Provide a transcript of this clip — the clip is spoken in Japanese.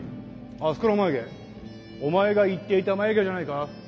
あそこの眉毛お前が言っていた眉毛じゃないか？